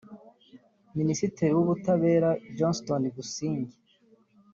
Minisitiri w’Ubutabera Johnston Busingye